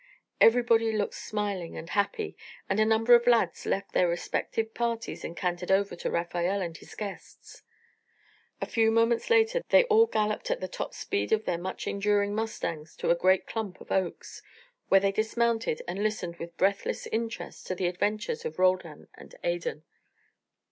Everybody looked smiling and happy, and a number of lads left their respective parties and cantered over to Rafael and his guests. A few moments later they all galloped at the top speed of their much enduring mustangs to a great clump of oaks, where they dismounted and listened with breathless interest to the adventures of Roldan and Adan.